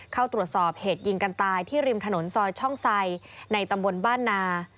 เข้าตรวจสอบเหตุยิงกันตายที่ริมถนนซอยช่องไซในตำบลบ้านนา